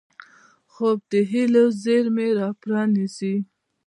خوب د هیلو زېرمې راپرانيزي